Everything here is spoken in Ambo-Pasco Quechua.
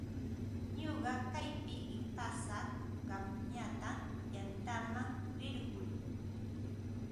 Ñuqa kaypi qipasaq, qamñataq yantaman rirquy.